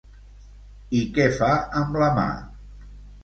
I què fa amb la mà?